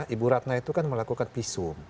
ibu ratna itu kan melakukan visum